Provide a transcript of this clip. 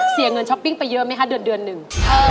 เสียเงินช้อปปิ้งไปเยอะไหมคะเดือนหนึ่ง